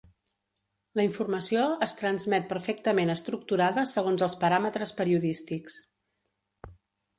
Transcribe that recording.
La informació es transmet perfectament estructurada segons els paràmetres periodístics.